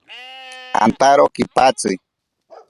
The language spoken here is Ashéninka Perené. Antaro kipatsi.